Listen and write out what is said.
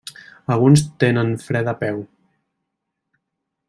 Alguns tenen fre de peu.